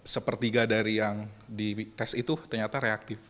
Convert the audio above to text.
sepertiga dari yang di tes itu ternyata reaktif